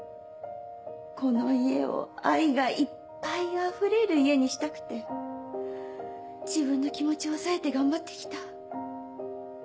この家を愛がいっぱいあふれる家にしたくて自分の気持ち抑えて頑張って来た。